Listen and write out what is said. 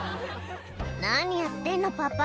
「何やってんのパパ